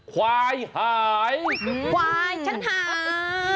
ควายหายควายฉันหาย